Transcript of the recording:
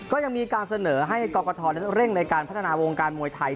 ก็ยังมีการเสนอให้กรกฐนั้นเร่งในการพัฒนาวงการมวยไทย